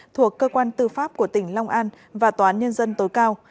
thuộc cơ quan tư pháp của tỉnh long an và tòa án nhân dân tối cao